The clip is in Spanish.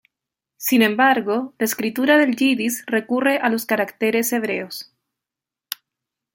Sin embargo, la escritura del yidis recurre a los caracteres hebreos.